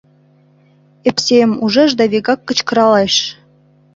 Епсейым ужеш да вигак кычкыралеш.